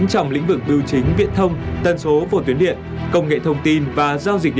xin chào và hẹn gặp lại